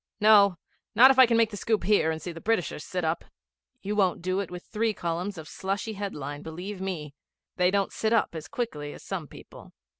'No. Not if I can make the scoop here and see the Britishers sit up.' 'You won't do it with three columns of slushy headline, believe me. They don't sit up as quickly as some people.'